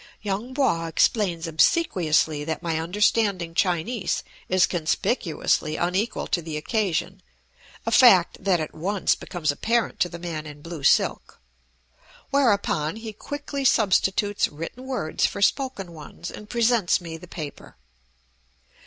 Yung Po explains obsequiously that my understanding Chinese is conspicuously unequal to the occasion, a fact that at once becomes apparent to the man in blue silk; whereupon he quickly substitutes written words for spoken ones and presents me the paper.